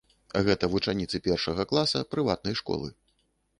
Гэта вучаніцы першага класа прыватнай школы.